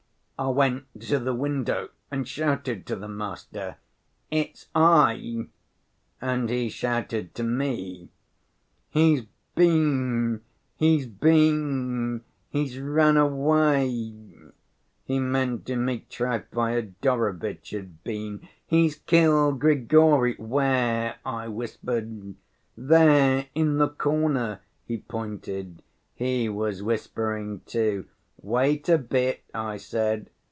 I went to the window and shouted to the master, 'It's I.' And he shouted to me, 'He's been, he's been; he's run away.' He meant Dmitri Fyodorovitch had been. 'He's killed Grigory!' 'Where?' I whispered. 'There, in the corner,' he pointed. He was whispering, too. 'Wait a bit,' I said.